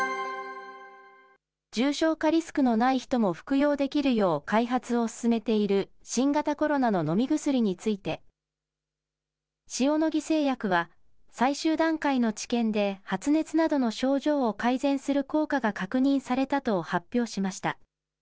重症化リスクのない人も服用できるよう開発を進めている新型コロナの飲み薬について、塩野義製薬は、最終段階の治験で発熱などの症状を改善する効果が確認されたと発表しました。